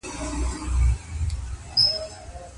مؤمن خاوند ته په حديث کي څه ويل سوي دي؟